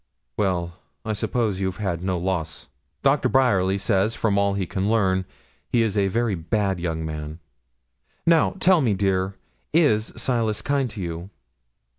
'Well, I suppose you have had no loss. Doctor Bryerly says from all he can learn he is a very bad young man. And now tell me, dear, is Silas kind to you?'